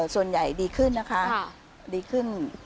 ส่วนใหญ่ดีขึ้นนะคะดีขึ้น